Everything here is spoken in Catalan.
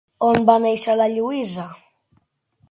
On va néixer la Lluïsa?